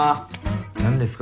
何ですか？